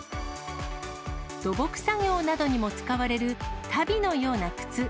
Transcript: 土木作業にも使われる足袋のような靴。